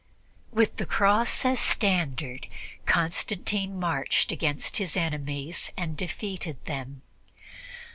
With the Cross as standard, Constantine marched against his enemies and defeated them.